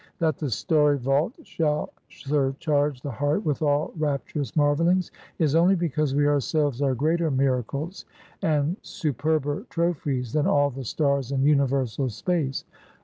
That the starry vault shall surcharge the heart with all rapturous marvelings, is only because we ourselves are greater miracles, and superber trophies than all the stars in universal space.